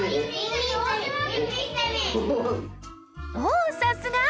おさすが！